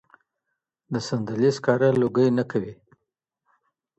د صندلۍ سکاره لوګی نه کوي.